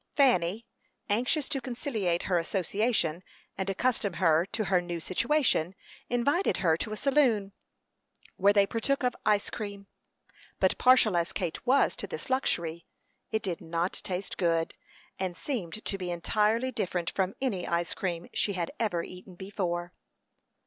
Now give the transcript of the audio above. Fanny, anxious to conciliate her associate, and accustom her to her new situation, invited her to a saloon, where they partook of ice creams; but partial as Kate was to this luxury, it did not taste good, and seemed to be entirely different from any ice cream she had ever eaten before.